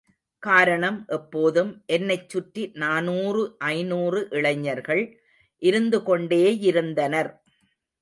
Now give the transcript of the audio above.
காரணம், எப்போதும் என்னைச் சுற்றி நானூறு, ஐநூறு இளைஞர்கள் இருந்துகொண்டேயிருந்தனர்.